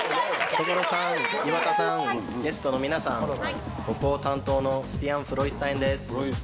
所さん、岩田さん、ゲストの皆さん、北欧担当のスティアン・フロイスタインです。